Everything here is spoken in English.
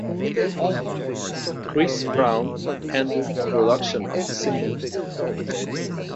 Chris Brown handled the production of the single.